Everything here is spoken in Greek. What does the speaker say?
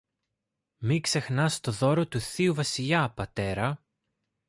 Μην ξεχνάς το δώρο του θείου Βασιλιά, πατέρα